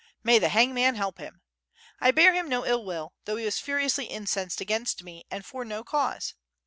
May the hangman help him! I bear him no ill will, though he was furiously incensed against me and for no cause.